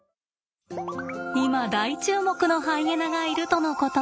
今大注目のハイエナがいるとのこと。